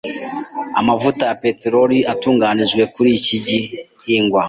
Amavuta ya peteroli atunganijwe kuri iki gihingwa.